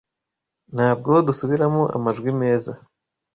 Ntabwo dusubiramo amajwi meza